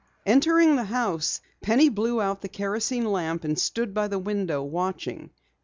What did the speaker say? Entering the house, Penny blew out the kerosene lamp and stood by the window, watching.